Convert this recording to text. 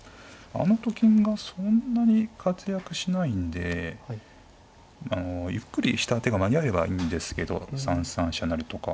あのと金がそんなに活躍しないんでゆっくりした手が間に合えばいいんですけど３三飛車成とか。